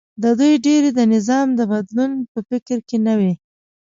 د دوی ډېری د نظام د بدلون په فکر کې نه و